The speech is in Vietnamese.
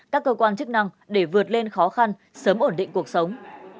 các cơ quan chức năng để vượt lên khó khăn sớm ổn định cuộc sống